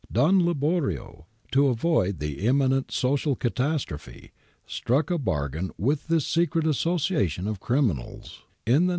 Don Liborio, to avoid the imminent social catastrophe, struck a bargain with this secret association of criminals, in the name ' Liborio Romano, 14, 26.